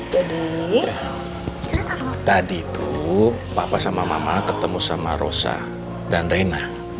jadi tadi tuh papa sama mama ketemu sama rosa dan rena